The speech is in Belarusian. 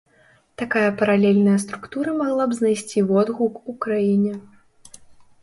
Такая паралельная структура магла б знайсці водгук у краіне.